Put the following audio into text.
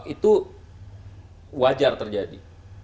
itu wajar terjadi